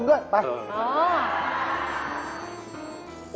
ดังแก้มาก